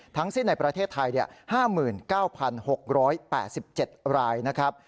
ทั้งสิ้นในประเทศไทย๕๙๖๘๗รายนะครับ